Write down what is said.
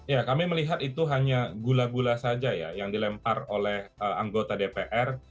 ya kami melihat itu hanya gula gula saja ya yang dilempar oleh anggota dpr